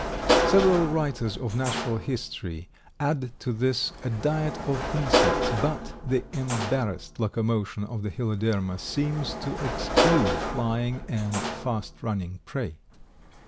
Several writers of Natural History add to this a diet of insects, but the embarrassed locomotion of the Heloderma seems to exclude flying and fast running prey.